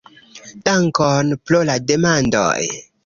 Dankon pro la demandoj!